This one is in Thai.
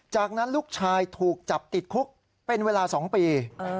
จากนั้นลูกชายถูกจับติดคุกเป็นเวลา๒ปี